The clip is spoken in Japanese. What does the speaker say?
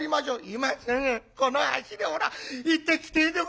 「今すぐこの足でおら行ってきてえでごぜえますよ」。